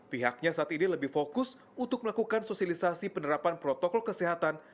pihaknya saat ini lebih fokus untuk melakukan sosialisasi penerapan protokol kesehatan